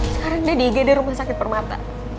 sekarang dia di iga dari rumah sakit permata